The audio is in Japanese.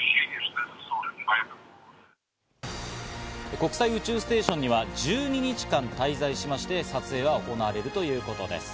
国際宇宙ステーションには１２日間滞在しまして、撮影が行われるということです。